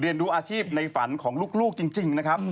ดูอาชีพในฝันของลูกจริงนะครับ